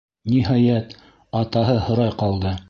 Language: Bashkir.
Ниһайәт, атаһы һорай ҡалды: